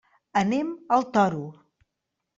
Anem al Toro.